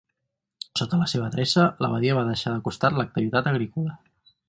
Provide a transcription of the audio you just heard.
Sota la seva adreça, l'abadia va deixar de costat l'activitat agrícola.